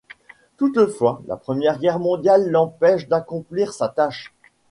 Toutefois, la première guerre mondiale l'empêche d'accomplir sa tâche.